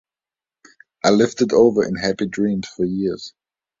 I lived it over in happy dreams for years.